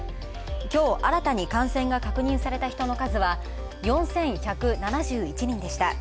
きょう新たに感染が確認された人の数は４１７１人でした。